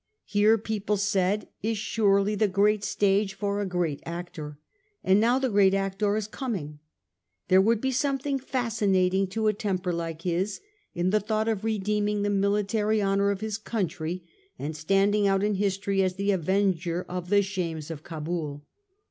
Here, people said, is surely the great stage for a great actor ; and now the great actor is co ming . There would he something fascinating to a temper like bis in the thought of redeeming the military honour of his country and standing out in history as the avenger of the shames of Cabul.